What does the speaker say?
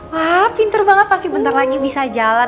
wah pinter banget pasti bentar lagi bisa jalan